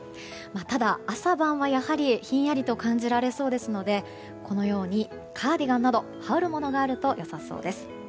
ただ朝晩は、やはりひんやりと感じられそうですのでカーディガンなど羽織るものがあると、良さそうです。